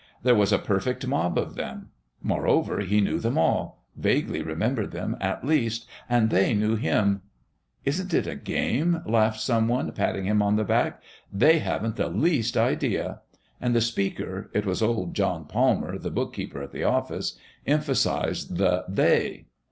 There was a perfect mob of them. Moreover, he knew them all vaguely remembered them, at least. And they all knew him. "Isn't it a game?" laughed some one, patting him on the back. "They haven't the least idea...!" And the speaker it was old John Palmer, the bookkeeper at the office emphasised the "they."